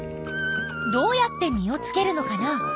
どうやって実をつけるのかな？